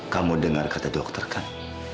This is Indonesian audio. kamu dengar kata dokter kan